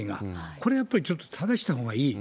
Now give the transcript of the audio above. これやっぱり、ちょっと正したほうがいい。